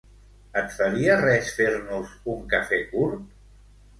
Et faria res fer-nos un cafè curt?